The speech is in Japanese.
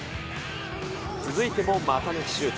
続いても股抜きシュート。